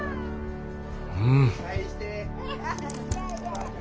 うん。